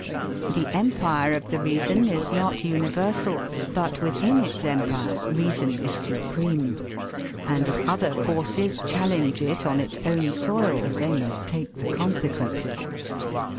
The empire of the reason is not universal, but within its empire reason is supreme, and if other forces challenge it on its own soil they must take the consequences.